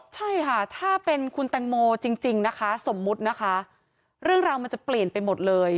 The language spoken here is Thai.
ใช่ค่ะถ้าเป็นคุณแตงโมจริงนะคะสมมุตินะคะเรื่องราวมันจะเปลี่ยนไปหมดเลย